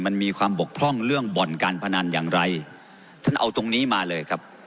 มันมีความบกพร่องเรื่องบ่อนการพนันอย่างไรท่านเอาตรงนี้มาเลยครับ